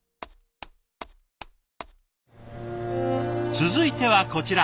続いてはこちら。